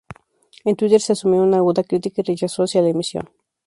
En Twitter se asumió una aguda crítica y rechazo hacia la emisión.